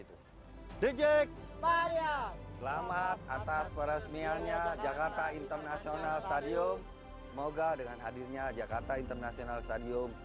semoga dengan hadirnya jakarta international stadium